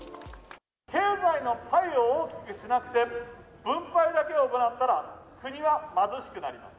経済のパイを大きくしなくて分配だけを行ったら、国は貧しくなります。